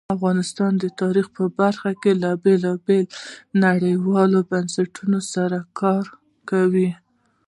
افغانستان د تاریخ په برخه کې له بېلابېلو نړیوالو بنسټونو سره کار کوي.